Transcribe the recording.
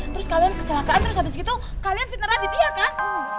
terus kalian kecelakaan terus habis gitu kalian veteran di dia kan